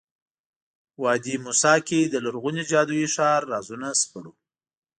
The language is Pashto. وادي موسی کې د لرغوني جادویي ښار رازونه سپړو.